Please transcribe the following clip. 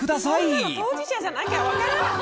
そんなの当事者じゃなきゃ分からない！